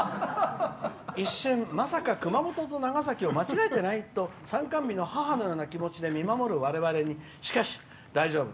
一瞬、まさか熊本と長崎を間違えてない？と参観日の母のような気持ちで見守るわれわれにしかし、大丈夫。